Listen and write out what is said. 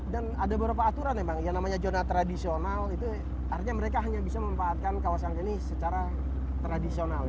dan ada beberapa aturan memang yang namanya zona tradisional itu artinya mereka hanya bisa memanfaatkan kawasan ini secara tradisional